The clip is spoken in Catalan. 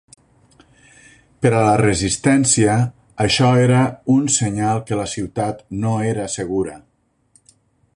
Per a la resistència, això era un senyal que la ciutat no era segura.